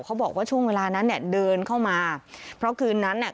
เขาบอกว่าช่วงเวลานั้นเนี่ยเดินเข้ามาเพราะคืนนั้นเนี่ย